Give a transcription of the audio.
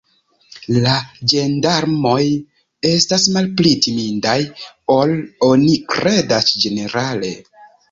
La ĝendarmoj estas malpli timindaj, ol oni kredas ĝenerale.